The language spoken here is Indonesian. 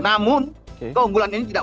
namun keunggulan ini tidak